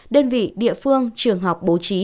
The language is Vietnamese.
đơn vị địa phương trường học bố trí